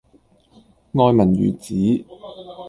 愛民如子